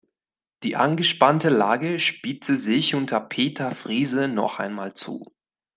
Die angespannte Lage spitzte sich unter Peter Friese noch einmal zu.